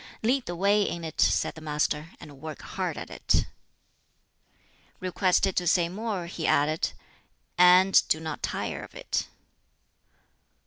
"Lead the way in it," said the Master, "and work hard at it." Requested to say more, he added, "And do not tire of it."